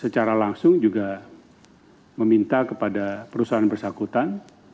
secara langsung juga meminta kepada perusahaan bersangkutan